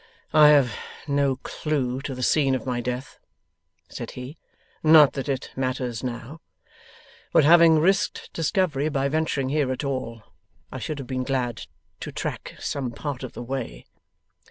'I have no clue to the scene of my death,' said he. 'Not that it matters now. But having risked discovery by venturing here at all, I should have been glad to track some part of the way.